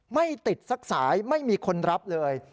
ไม่ติดสักสายไม่มีคนรับเลย